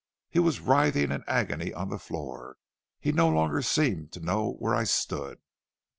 He was writhing in agony on the floor; he no longer seemed to know where I stood.